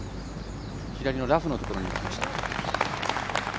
左のラフのところにいきました。